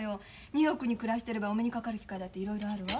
ニューヨークに暮らしてればお目にかかる機会だっていろいろあるわ。